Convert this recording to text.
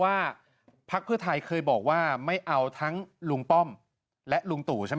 ว่าพรรคพฤทัยเคยบอกว่าไม่เอาทั้งลุงป้อมและลุงตู่ใช่